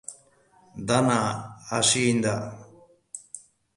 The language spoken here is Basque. Dena hasi egin da.